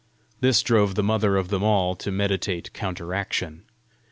This drove the mother of them all to meditate counteraction.